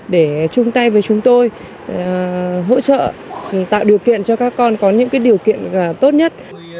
để chung tay với chúng tôi hỗ trợ tạo điều kiện cho các con có những điều kiện tốt nhất